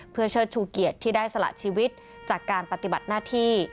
เพื่อเชิดชูเกียรติที่ได้สละชีวิตจากการปฏิบัติหน้าที่